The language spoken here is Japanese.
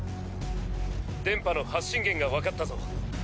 電波の発信源がわかったぞ。